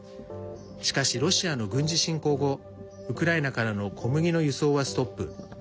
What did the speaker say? しかし、ロシアの軍事侵攻後ウクライナからの小麦の輸送はストップ。